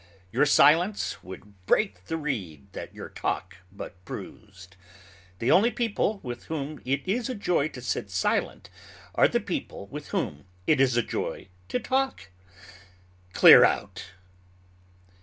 Your silence would break the reed that your talk but bruised. The only people with whom it is a joy to sit silent are the people with whom it is a joy to talk. Clear out!